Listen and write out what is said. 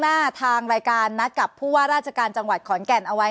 หน้าทางรายการนัดกับผู้ว่าราชการจังหวัดขอนแก่นเอาไว้